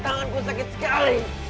tangan ku sakit sekali